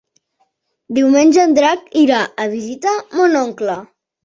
Diumenge en Drac irà a visitar mon oncle.